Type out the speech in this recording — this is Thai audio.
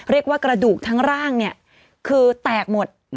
เรียกว่ากระดูกทั้งร่างคือแตกหมด